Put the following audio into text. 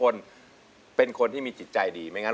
ร้องเข้าให้เร็ว